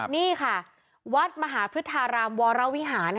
นี่ค่ะวัดมหาพฤทธารามวรวิหาร